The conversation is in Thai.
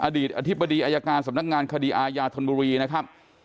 อดีตอธิบดีอายการสำนักงานคดีอาญาธนบุรีนะครับ